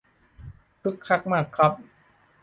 คึกคักมากครับ